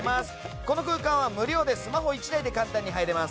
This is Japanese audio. この空間は無料でスマホ１台で簡単に入れます。